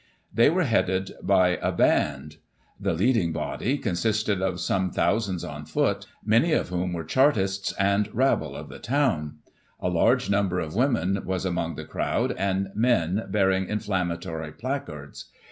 They were headed by a band. The leading body consisted of some thousands on foot, many of whom were Chartists and rabble of the town ; a large number of women was among the crowd, and men bearing inflammatory placards.